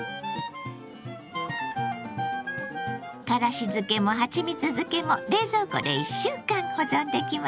からし漬けもはちみつ漬けも冷蔵庫で１週間保存できます。